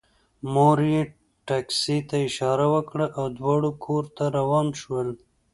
مور یې ټکسي ته اشاره وکړه او دواړه کور ته روان شول